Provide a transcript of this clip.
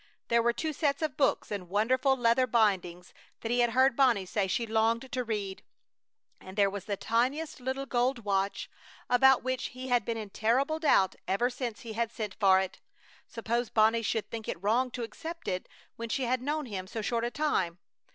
There were two sets of books in wonderful leather bindings that he had heard Bonnie say she longed to read, and there was the tiniest little gold watch, about which he had been in terrible doubt ever since he had sent for it. Suppose Bonnie should think it wrong to accept it when she had known him so short a time!